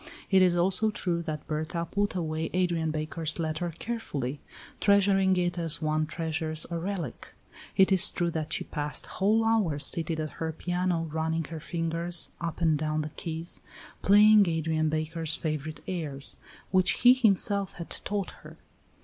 It is also true that Berta put away Adrian Baker's letter carefully, treasuring it as one treasures a relic. It is true that she passed whole hours seated at her piano running her fingers up and down the keys, playing Adrian Baker's favorite airs, which he himself had taught her.